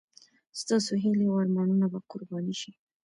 ستاسو هیلې او ارمانونه به قرباني شي.